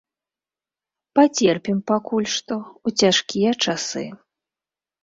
Пацерпім пакуль што, у цяжкія часы.